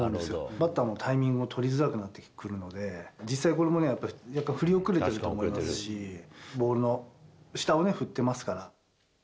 バッターもタイミングを取りづらくなってくるので、実際、このボールに振り遅れてると思いますし、ボールの下を振ってます